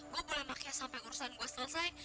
gue boleh pake sampe urusan gue selesai